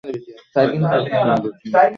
কিছু পণ্ডিতেরা এটিকে অপরিহার্য বলে উল্লেখ করেছেন।